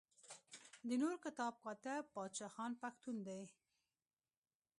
د نور کتاب کاتب بادشاه خان پښتون دی.